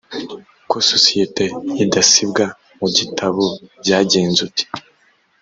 ko sosiyete idasibwa mu gitabo byajyenzute